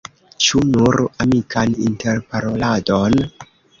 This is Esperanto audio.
Ĉu nur amikan interparoladon?